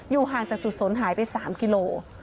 อยู่ห่างจากจุดสนหายไป๓กิโลกรัม